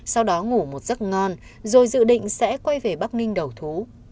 sau đó ngủ một giấc ngon rồi dự định sẽ quay về bắc ninh đầu thú